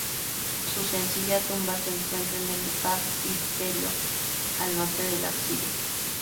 Su sencilla tumba se encuentra en el baptisterio, al norte del ábside.